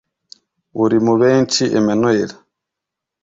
urimubenshi emmanuel